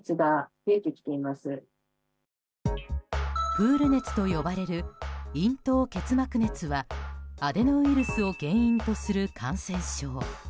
プール熱と呼ばれる咽頭結膜熱はアデノウイルスを原因とする感染症。